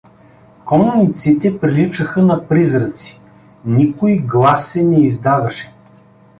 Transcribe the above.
Конниците приличаха на призраци, никой глас се не издаваше.